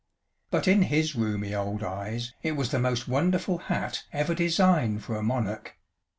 But in his rheumy old eyes it was the most wonderful hat ever designed for a monarch.